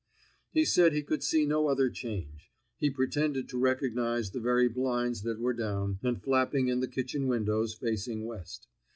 He said he could see no other change. He pretended to recognize the very blinds that were down and flapping in the kitchen windows facing west.